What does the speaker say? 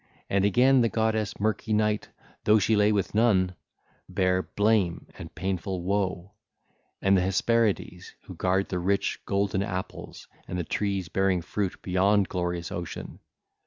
And again the goddess murky Night, though she lay with none, bare Blame and painful Woe, and the Hesperides who guard the rich, golden apples and the trees bearing fruit beyond glorious Ocean.